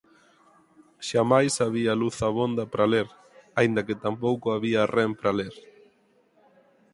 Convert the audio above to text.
Xamais había luz abonda para ler –aínda que tampouco había ren para ler.